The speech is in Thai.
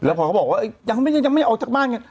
แล้วพ่อเขาบอกว่ายังไม่เอาจักรบ้าน